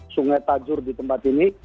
sungai tajur di tempat ini